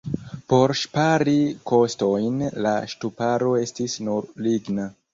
Por ŝpari kostojn la ŝtuparo estis nur ligna.